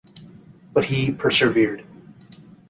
But he persevered.